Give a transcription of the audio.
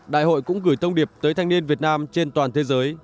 đại hội cũng gửi thông điệp tới thanh niên việt nam trên toàn thế giới